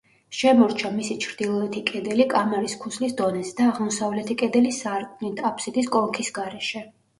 შემორჩა მისი ჩრდილოეთი კედელი კამარის ქუსლის დონეზე და აღმოსავლეთი კედელი სარკმლით, აბსიდის კონქის გარეშე.